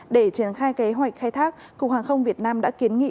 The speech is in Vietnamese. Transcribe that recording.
để triển khai kế hoạch khai thác cục hàng không việt nam đã kiến nghị